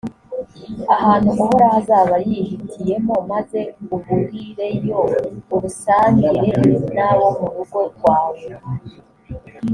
ahantu uhoraho azaba yihitiyemo, maze uburireyo ubusangire n’abo mu rugo rwawe.